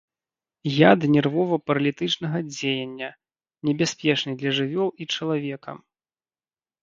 Яд нервова-паралітычнага дзеяння, небяспечны для жывёл і чалавека.